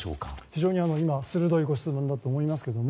非常に鋭いご質問だと思います。